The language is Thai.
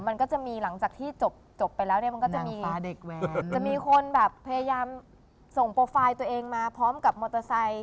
มันก็จะมีหลังจากที่จบไปแล้วเนี่ยมันก็จะมีจะมีคนแบบพยายามส่งโปรไฟล์ตัวเองมาพร้อมกับมอเตอร์ไซค์